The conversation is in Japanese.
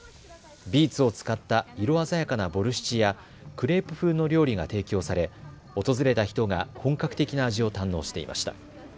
ビーツを使った色鮮やかなボルシチやクレープ風の料理が提供され、訪れた人が本格的な味を堪能していました。